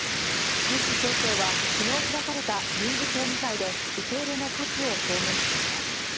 西町長は、きのう開かれた臨時町議会で、受け入れの可否を表明しました。